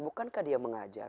bukankah dia mengajar